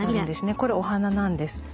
これお花なんです。